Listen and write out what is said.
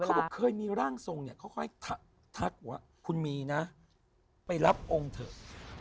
เขาบอกเคยมีร่างทรงเนี่ยเขาค่อยทักว่าคุณมีนะไปรับองค์เถอะ